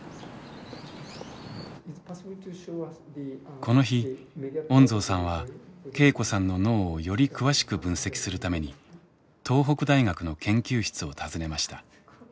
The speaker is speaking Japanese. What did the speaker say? この日恩蔵さんは恵子さんの脳をより詳しく分析するために東北大学の研究室を訪ねました。